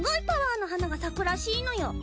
パワーの花が咲くらしいのよ。